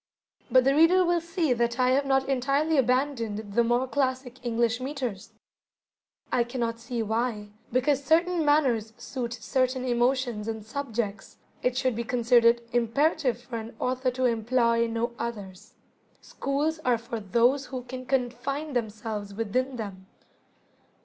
But the reader will see that I have not entirely abandoned the more classic English metres. I cannot see why, because certain manners suit certain emotions and subjects, it should be considered imperative for an author to employ no others. Schools are for those who can confine themselves within them.